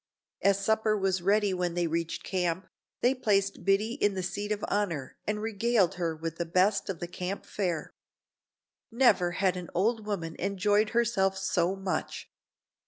As supper was ready when they reached camp, they placed Biddy in the seat of honor and regaled her with the best of the camp fare. Never had an old women enjoyed herself so much.